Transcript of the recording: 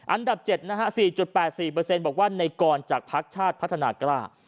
อันดับ๗๔๘๔บอกว่าในกรจากพักชาติพัฒนากล้า